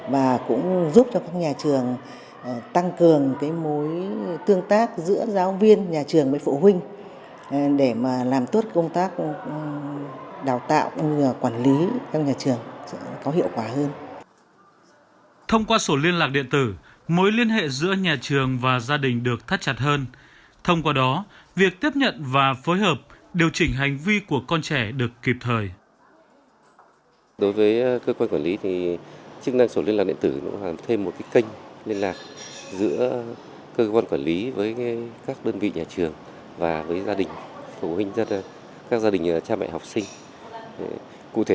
và cũng giúp cho các nhà trường tăng cường cái mối tương tác giữa giáo viên nhà trường với phụ huynh để